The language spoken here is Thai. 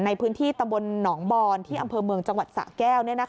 ในพื้นที่ตำบลหนองบอนที่อำเภอเมืองจังหวัดสะแก้ว